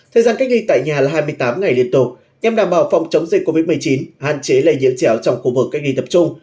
thời gian cách ly tại nhà là hai mươi tám ngày liên tục nhằm đảm bảo phòng chống dịch covid một mươi chín hạn chế lây nhiễm chẻo trong khu vực cách ly tập trung